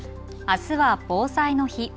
あすは防災の日。